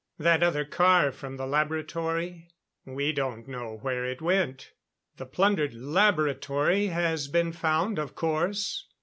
That other car from the laboratory we don't know where it went. The plundered laboratory has been found, of course.